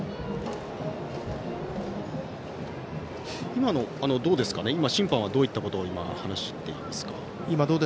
今、審判はどういったことを話していますか？